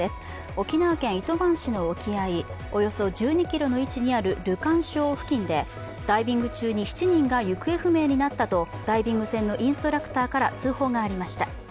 沖縄県糸満市の沖合およそ１２ｋｍの位置にあるルカン礁付近でダイビング中に７人が行方不明になったとダイビング船のインストラクターから通報がありました。